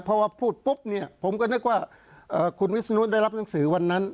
เพราะว่าพูดปุ๊บเนี่ยผมก็นึกว่าคุณวิศนุได้รับหนังสือวันนั้น